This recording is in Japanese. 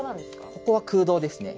ここは空洞ですね。